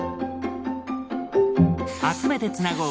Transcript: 集めてつなごう